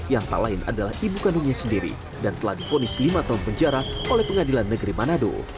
yang tak lain adalah ibu kandungnya sendiri dan telah difonis lima tahun penjara oleh pengadilan negeri manado